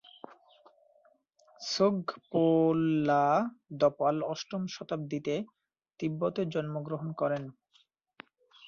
সোগ-পো-ল্হা-দ্পাল অষ্টম শতাব্দীতে তিব্বতে জন্মগ্রহণ করেন।